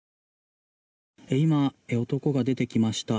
今、男が出てきました。